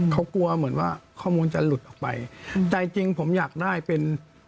เขากลัวเหมือนว่าข้อมูลจะหลุดออกไปแต่จริงจริงผมอยากได้เป็น